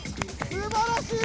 すばらしい。